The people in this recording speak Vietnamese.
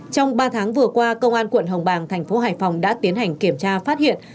trong ba tháng vừa qua công an quận hồng bàng thành phố hải phòng đã tiến hành kiểm tra phát hiện